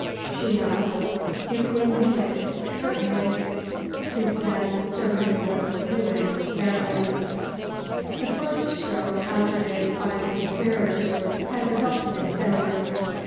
Shee asked, "If wee knewe it certainlie?" Who said, "Sir Nicholas knew it verilie." The first stroke hazarded by the conspirators had resulted in failure.